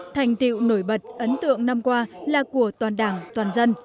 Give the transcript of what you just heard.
thành tiệu nổi bật ấn tượng năm qua là của toàn đảng toàn dân